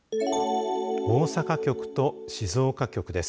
大阪局と静岡局です。